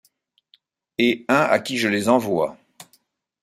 Et un à qui je les envoie.